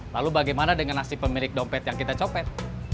lalu bagaimana dengan nasib pemilik dompet yang kita copet